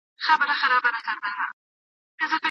ښه ذهنیت خوښي نه کموي.